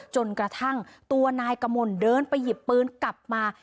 จนกระทั่งตัวนายกมลเดินไปหยิบปืนกลับมา